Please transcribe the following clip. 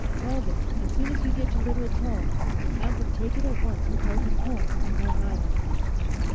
Call them as soon as you get to Literates' Hall and have them take it at once to Pelton's home, on Long Island."